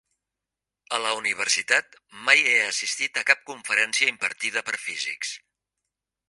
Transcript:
A la Universitat mai he assistit a cap conferència impartida per físics.